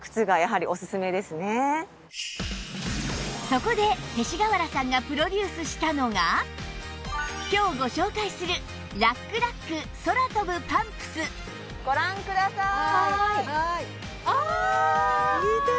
そこで勅使川原さんがプロデュースしたのが今日ご紹介するご覧ください！